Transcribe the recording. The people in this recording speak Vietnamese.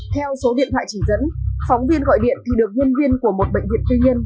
theo số điện thoại chỉ dẫn phóng viên gọi điện thì được nhân viên của một bệnh viện tư nhân